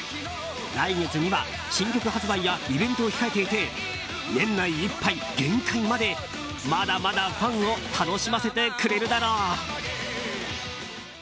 来月には新曲発売やイベントを控えていて年内いっぱい限界までまだまだファンを楽しませてくれるだろう。